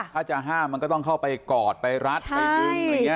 ถ้าจะห้ามมันก็ต้องเข้าไปกอดไปรัดไปยึง